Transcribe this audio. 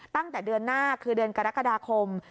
ตั้งแต่เดือนหน้าคือเดือนกรกฎาคม